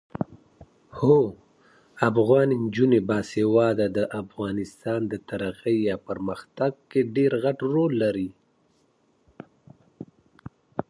باسواده میندې د ماشومانو د لوبو اهمیت پېژني.